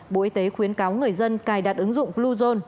bộ y tế khuyến cáo người dân cài đặt ứng dụng bluezone